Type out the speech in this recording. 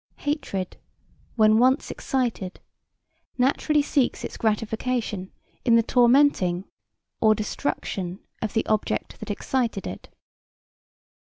Hatred when once excited naturally seeks its gratification in the tormenting or destruction of the object that excited it.